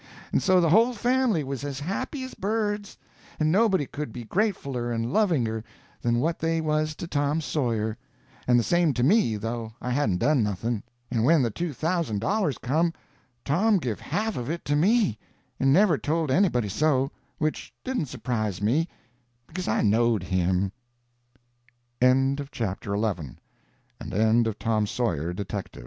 And so the whole family was as happy as birds, and nobody could be gratefuler and lovinger than what they was to Tom Sawyer; and the same to me, though I hadn't done nothing. And when the two thousand dollars come, Tom give half of it to me, and never told anybody so, which didn't surprise me, because I kn